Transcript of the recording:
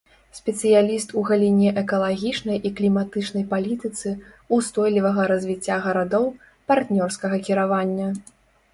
Спецыяліст у галіне экалагічнай і кліматычнай палітыцы, устойлівага развіцця гарадоў, партнёрскага кіравання.